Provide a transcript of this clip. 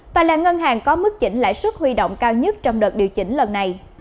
và là ngân hàng có mức chỉnh lãi suất huy động cao nhất trong đợt điều chỉnh lần này